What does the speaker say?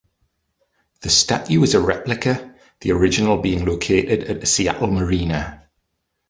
The statue is a replica, the original being located at a Seattle marina.